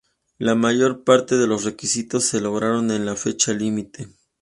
La mayor parte de los requisitos se lograron en la fecha límite.